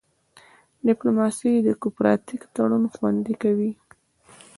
ډیپلوماسي د کوپراتیف تړون خوندي کوي